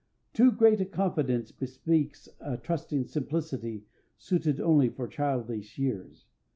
Too great a confidence bespeaks a trusting simplicity suited only for childish years.